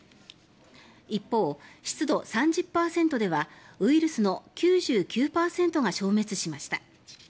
一方、湿度３０％ではウイルスの９９％が消滅しました。